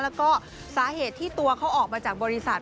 แล้วก็สาเหตุที่ตัวเขาออกมาจากบริษัท